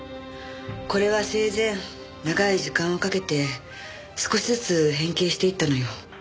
これは生前長い時間をかけて少しずつ変形していったのよ。